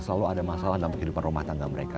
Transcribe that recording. selalu ada masalah dalam kehidupan rumah tangga mereka